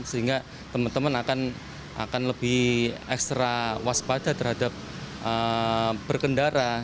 sehingga teman teman akan lebih ekstra waspada terhadap berkendara